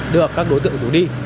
được các đối tượng rủ đi